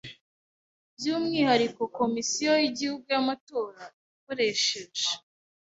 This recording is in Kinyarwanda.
By’umwihariko Komisiyo y’Igihugu y’Amatora ikoresheje